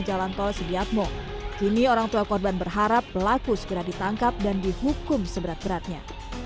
jalan tol sedia tmog kini orangtua korban berharap pelaku segera ditangkap dan dihukum seberat beratnya